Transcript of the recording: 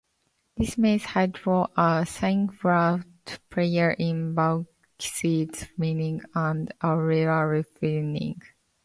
This made Hydro a significant player in bauxite mining and alumina refining.